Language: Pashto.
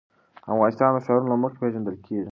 افغانستان د ښارونه له مخې پېژندل کېږي.